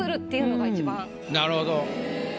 なるほど。